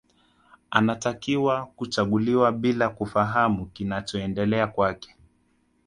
Anatakiwa kuchaguliwa bila kufahamu kinachoendelea kwake